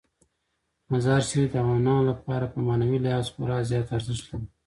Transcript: مزارشریف د افغانانو لپاره په معنوي لحاظ خورا زیات ارزښت لري.